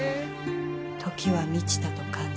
時は満ちたと感じた